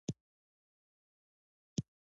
آیا دا پیسې په ابادۍ لګیږي؟